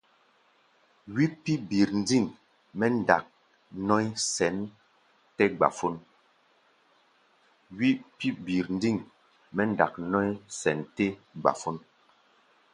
Wí pí̧ birndiŋ mɛ́ ndak nɔ̧́í̧ sɛn tɛ́ gbafón.